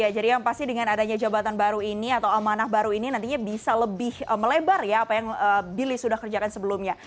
jadi yang pasti dengan adanya jabatan baru ini atau amanah baru ini nantinya bisa lebih melebar ya apa yang bili sudah kerjakan sebelumnya